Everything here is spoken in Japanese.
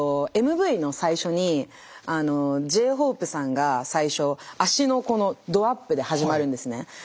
ＭＶの最初にＪ−ＨＯＰＥさんが最初足のどアップで始まるんですね。